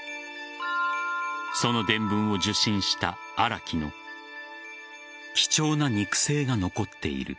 その電文を受信した新木の貴重な肉声が残っている。